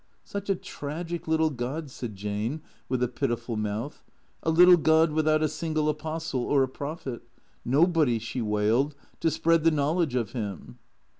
" Such a tragic little god," said Jane, with a pitiful mouth, " a little god without a single apostle or a prophet — nobody," she wailed, " to spread the knowledge of him."